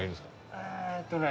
えーっとね